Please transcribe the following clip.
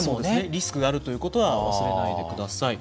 リスクがあるということは、忘れないでください。